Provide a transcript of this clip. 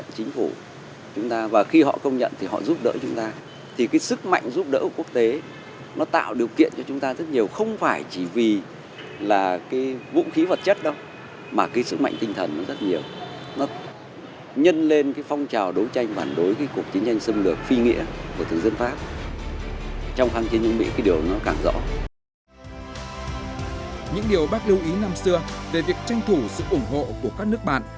những điều bác lưu ý năm xưa về việc tranh thủ sự ủng hộ của các nước bạn